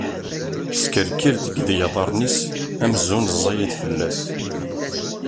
Teskerkir deg yiḍarren-is amzun ẓẓayit fell-as.